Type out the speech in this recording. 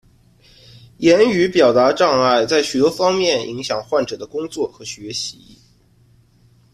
言语表达障碍在许多方面影响患者的工作和学习。